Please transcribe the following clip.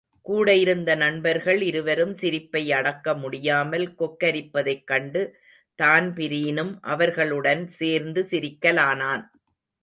கூட இருந்த நண்பர்கள் இருவரும் சிரிப்பை அடக்கமுடியாமல் கொக்கரிப்பதைக் கண்டு, தான்பிரீனும் அவகளுடன் சேர்ந்து சிரிக்கலானான்.